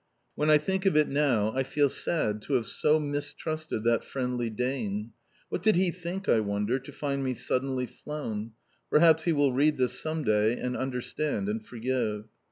When I think of it now, I feel sad to have so mistrusted that friendly Dane. What did he think, I wonder, to find me suddenly flown? Perhaps he will read this some day, and understand, and forgive.